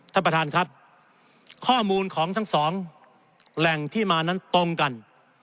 ท่านประธานครับข้อมูลของทั้งสองแหล่งที่มานั้นตรงกัน